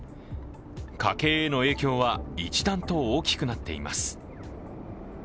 家計への影響は一段と大きくなっています。